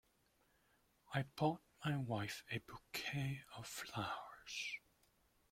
I bought my wife a Bouquet of flowers.